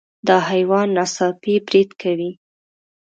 دا حیوان ناڅاپي برید کوي.